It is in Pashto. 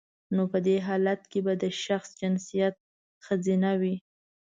نو په دی حالت کې به د شخص جنسیت خځینه وي